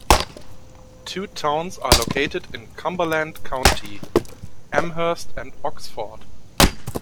Two towns are located in Cumberland County: Amherst and Oxford.